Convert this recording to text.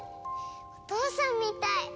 お父さんみたい。